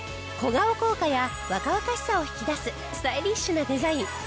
小顔効果や若々しさを引き出すスタイリッシュなデザイン。